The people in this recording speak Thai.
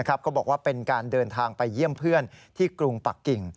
เขาบอกว่าเป็นการเดินทางไปเยี่ยมเพื่อนที่กรุงปักกิ่ง